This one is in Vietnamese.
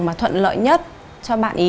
mà thuận lợi nhất cho bạn ý